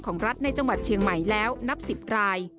ของรัฐในจังหวัดเชียงใหม่แล้วนับ๑๐ราย